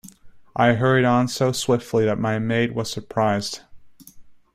I hurried on so swiftly that my maid was surprised.